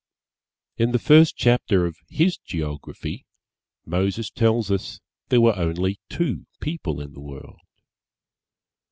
In the first chapter of his geography, Moses tells us there were only two people in the world.